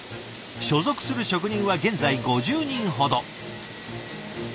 所属する職人は現在５０人ほど。